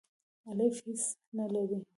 الیف هیڅ نه لری.